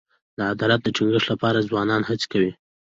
د عدالت د ټینګښت لپاره ځوانان هڅې کوي.